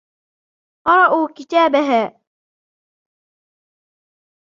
قَرَأُوا كِتَابَهَا.